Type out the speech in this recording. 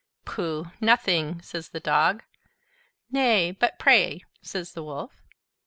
"Pooh! nothing," says the Dog. "Nay, but pray " says the Wolf.